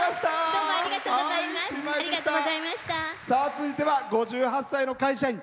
続いては５８歳の会社員。